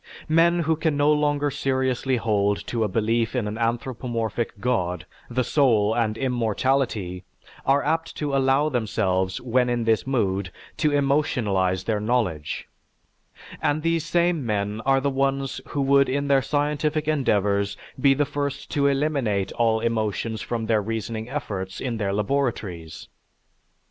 Men who can no longer seriously hold to a belief in an anthropomorphic god, the soul and immortality are apt to allow themselves when in this mood to emotionalize their knowledge; and these same men are the ones who would in their scientific endeavors be the first to eliminate all emotions from their reasoning efforts in their laboratories.